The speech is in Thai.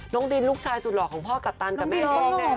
น้องดินลูกชายสุดหล่อของพ่อกัปตันกับแม่เอง